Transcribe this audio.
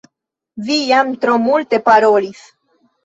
Vi jam tro multe parolis